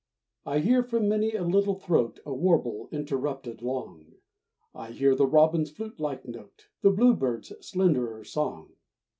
I hear from many a little throat A warble interrupted long; I hear the robin's flute like note, The bluebird's slenderer song.